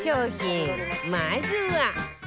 まずは